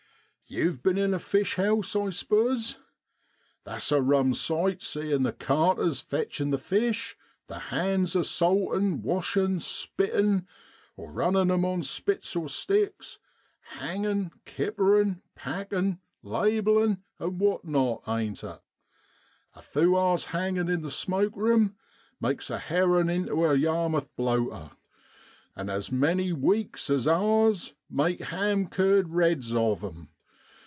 ' Yew've bin in a fish house, I s'pose ? That's a rum sight seein' the carters fetchin' the fish; the hands a saltin', washin', spittin' (running them on spits or sticks), hangin', kipperin', packin', labelling an' what not, ain't it ? A few hours hangin' in the smoke rume makes a herrin' intu a Yarmith blowter ; an' as many weeks as hours make ham cured reds of 'em.